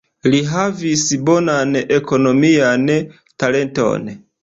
Li havis bonan ekonomian talenton.